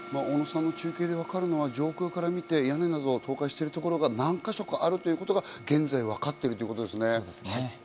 中継からわかるのは屋根などが倒壊しているところが何か所かあるということが現在分かっているということですね。